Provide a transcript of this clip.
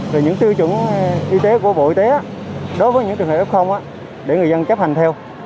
về những tiêu chuẩn y tế của bộ y tế đối với những trường hợp f để người dân chấp hành theo